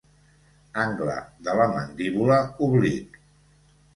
Angle de la mandíbula oblic.